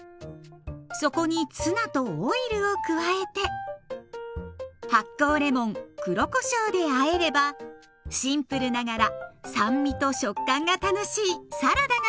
そこにツナとオイルを加えて発酵レモン黒こしょうであえればシンプルながら酸味と食感が楽しいサラダが完成。